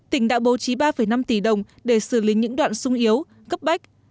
tỉnh đã bố trí ba năm tỷ đồng để xử lý những đoạn sung yếu cấp bách